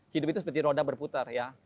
hidup itu seperti roda berputar ya